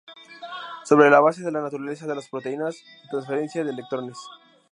Sobre la base de la naturaleza de las proteínas de transferencia de electrones.